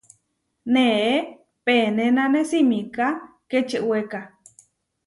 Neé penénane simiká kečewéka.